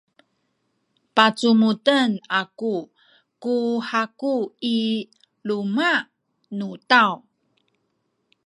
pacumuden aku ku haku i luma’ nu taw.